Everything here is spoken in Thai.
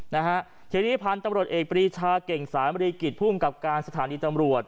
นะฮะทีนี้ผ่านตำรถเอกปริชาเก่งสารบริกิจผู้กับการสถานีตำรวจ